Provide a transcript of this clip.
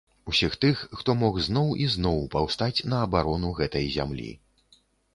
Усіх тых, хто мог зноў і зноў паўстаць на абарону гэтай зямлі.